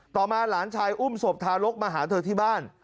มาหลานชายอุ้มศพทารกมาหาเธอที่บ้าน